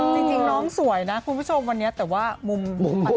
จริงน้องสวยนะคุณผู้ชมวันเนี้ยแต่ว่ามุมไฟไม่ต้องไป